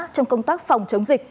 trong công tác phòng chống dịch